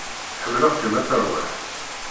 Ḥemmleɣ-kem a tarwiḥṭ